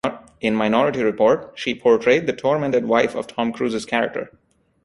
In "Minority Report", she portrayed the tormented wife of Tom Cruise's character.